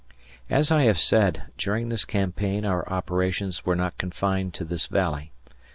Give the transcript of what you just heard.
As I have said, during this campaign our operations were not confined to this valley.